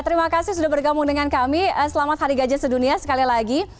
terima kasih sudah bergabung dengan kami selamat hari gajah sedunia sekali lagi